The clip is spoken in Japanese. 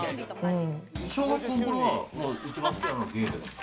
小学校の頃は一番好きなのはゲーム。